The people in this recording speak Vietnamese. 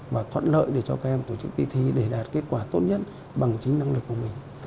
và thuận lợi để cho các em tổ chức kỳ thi để đạt kết quả tốt nhất bằng chính năng lực của mình